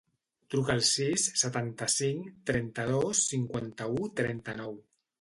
Truca al sis, setanta-cinc, trenta-dos, cinquanta-u, trenta-nou.